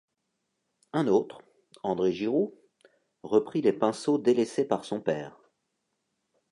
Un autre, André Giroux, reprit les pinceaux délaissés par son père.